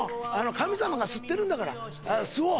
神様が吸ってるんだから吸おう。